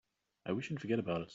I wish you'd forget about us.